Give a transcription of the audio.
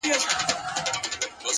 نمر چې پرېوزي نو ستوري راښکاره شي